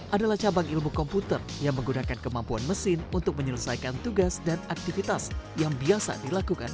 adalah cabang ilmu komputer yang menggunakan kemampuan mesin untuk menyelesaikan tugas dan aktivitas yang biasa dilakukan